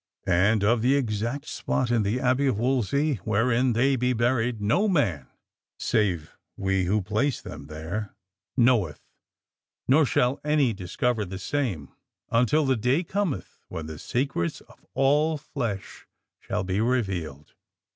And of the exact spot in the Abbey of Wolsey wherein they be buried, no man save we who placed them there knoweth, nor shall any discover the same until the day cometh when the secrets of all flesh shall be revealed."